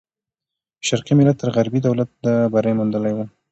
شرقي ملت تر غربي دولت بری موندلی وو.